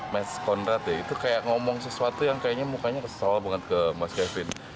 match conrat ya itu kayak ngomong sesuatu yang kayaknya mukanya kesal banget ke mas kevin